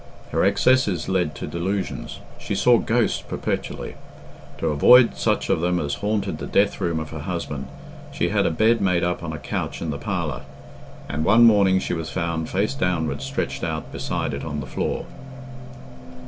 Her excesses led to delusions. She saw ghosts perpetually. To avoid such of them as haunted the death room of her husband, she had a bed made up on a couch in the parlour, and one morning she was found face downwards stretched out beside it on the floor.